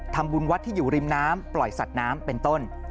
ทำบุญวัดที่อยู่ริมน้ำปล่อยสัตว์น้ำเป็นต้น